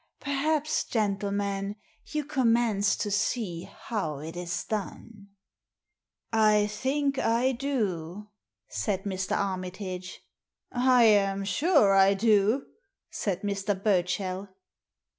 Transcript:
Per l^aps, gentlemen, you commence to see how it is done?" " I think I do," said Mr. Armitage. " I am sure I do," said Mr. Burchell.